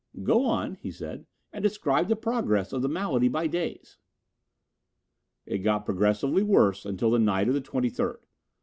"Go on," he said, "and describe the progress of the malady by days." "It got progressively worse until the night of the twenty third.